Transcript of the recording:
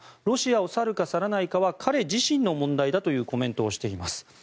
ロシアを去るか去らないかは彼自身の問題だというコメントをしています。